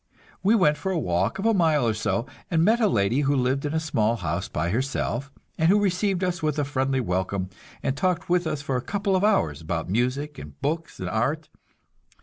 We went for a walk of a mile or so, and met a lady who lived in a small house by herself, and who received us with a friendly welcome and talked with us for a couple of hours about music and books and art.